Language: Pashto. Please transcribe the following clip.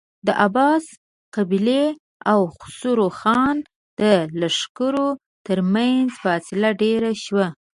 د عباس قلي او خسرو خان د لښکرو تر مينځ فاصله ډېره شوه.